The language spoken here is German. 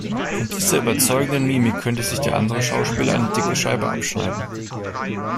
Von dieser überzeugenden Mimik könnte sich der andere Schauspieler eine dicke Scheibe abschneiden.